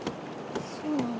そうなんだ。